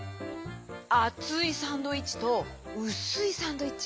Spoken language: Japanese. あついサンドイッチとうすいサンドイッチ。